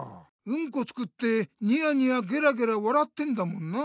ウンコ作ってニヤニヤゲラゲラ笑ってんだもんな。